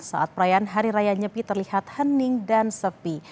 saat perayaan hari raya nyepi terlihat hening dan sepi